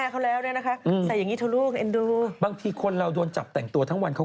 หมี่เอียวเห็นว่าใส่อย่างนี้เธอข้าม